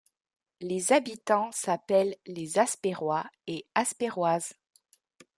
Les habitants s'appellent les Aspèrois et Aspèroises.